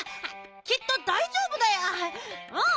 きっとだいじょうぶだようん！